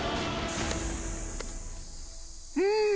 うん！